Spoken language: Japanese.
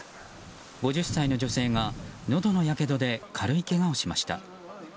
５０歳の女性がのどのやけどで軽いけがをしました。